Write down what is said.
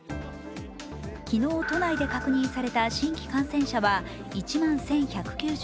昨日、都内で確認された新規感染者は１万１１９６人。